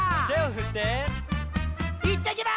「いってきまーす！」